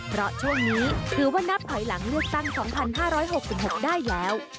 เพราะช่วงนี้ถือว่านับถอยหลังเลือกตั้ง๒๕๖๖ได้แล้ว